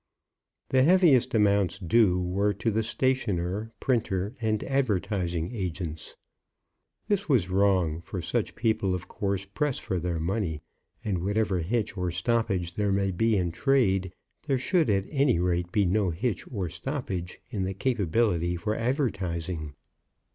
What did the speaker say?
The heaviest amounts due were to the stationer, printer, and advertising agents. This was wrong, for such people of course press for their money; and whatever hitch or stoppage there may be in trade, there should, at any rate, be no hitch or stoppage in the capability for advertising.